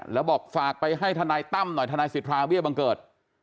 แล้วบอกฝากไปให้ทนายตั้มหน่อยทนายสิทธาเบี้ยบังเกิด